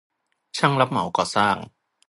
ช่างรับเหมาก่อสร้าง